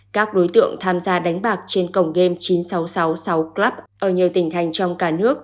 các đối tượng tham gia đánh bạc trên cổng game chín nghìn sáu trăm sáu mươi sáu club ở nhiều tỉnh thành trong cả nước